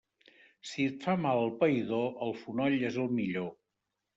Si et fa mal el païdor, el fonoll és el millor.